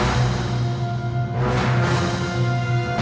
aku mau ke rumah